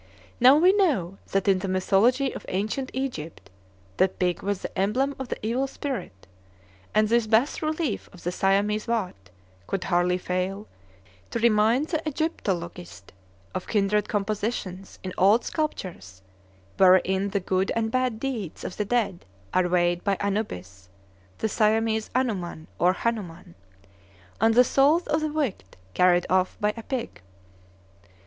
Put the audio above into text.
Now we know that in the mythology of ancient Egypt the Pig was the emblem of the Evil Spirit, and this bass relief of the Siamese watt could hardly fail to remind the Egyptologist of kindred compositions in old sculptures wherein the good and bad deeds of the dead are weighed by Anubis (the Siamese Anuman or Hanuman), and the souls of the wicked carried off by a pig.